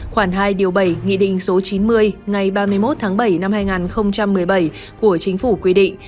khoảng hai điều bảy nghị định số chín mươi ngày ba mươi một tháng bảy năm hai nghìn một mươi bảy của chính phủ quy định